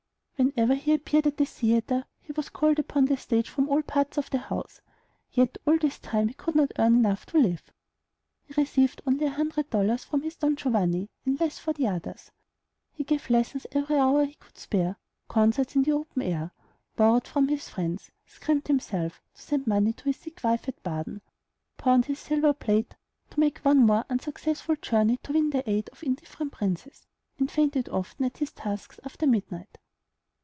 Whenever he appeared at the theatre, he was called upon the stage from all parts of the house; yet all this time he could not earn enough to live. He received only a hundred dollars from his "Don Giovanni," and less for the others. He gave lessons every hour he could spare, concerts in the open air, borrowed from his friends, scrimped himself, to send money to his sick wife at Baden, pawned his silver plate to make one more unsuccessful journey to win the aid of indifferent princes, and fainted often at his tasks after midnight.